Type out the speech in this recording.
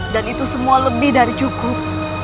dan itu semua lebih dari cukup